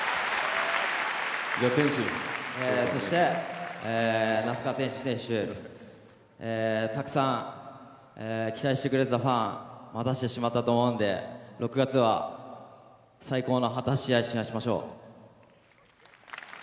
そして那須川天心選手、たくさん期待してくれていたファン待たせてしまったと思うので６月は最高の果たし合いをしましょう。